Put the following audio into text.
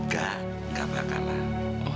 gak gak bakalan